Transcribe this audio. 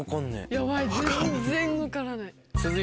ヤバい全然分からない。